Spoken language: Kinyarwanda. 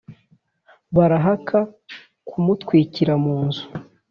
barahaka kumutwikira mu nzu.